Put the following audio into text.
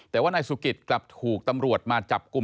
แต่ว่านายสุกิตกลับถูกตำรวจมาจับกลุ่ม